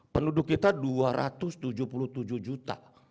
penduduk kita dua ratus tujuh puluh tujuh juta